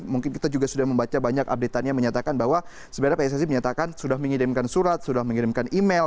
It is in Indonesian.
mungkin kita juga sudah membaca banyak update tadi yang menyatakan bahwa sebenarnya pssi menyatakan sudah mengirimkan surat sudah mengirimkan email